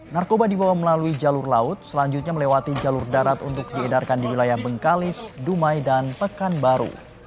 narkoba dibawa melalui jalur laut selanjutnya melewati jalur darat untuk diedarkan di wilayah bengkalis dumai dan pekanbaru